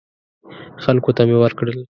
خلکو ته مې ورکړل.